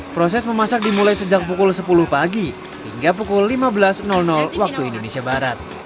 proses memasak dimulai sejak pukul sepuluh pagi hingga pukul lima belas waktu indonesia barat